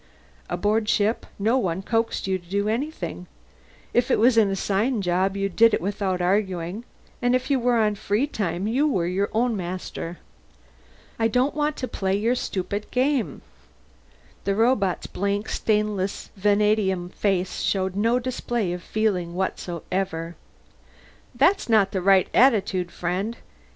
Aboard ship, no one coaxed you to do anything; if it was an assigned job, you did it without arguing, and if you were on free time you were your own master. "I don't want to play your stupid game!" The robot's blank stainless vanadium face showed no display of feeling whatsoever. "That's not the right attitude, friend.